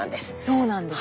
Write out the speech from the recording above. そうなんです。